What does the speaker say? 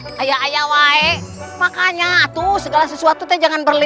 aduh aya aya wae makanya atuh segala sesuatu jangan berubah ya